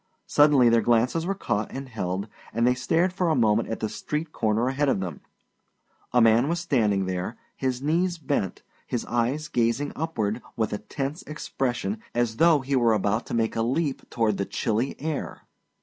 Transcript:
Suddenly their glances were caught and held, and they stared for a moment at the street corner ahead of them. A man was standing there, his knees bent, his eyes gazing upward with a tense expression as though he were about to make a leap toward the chilly sky.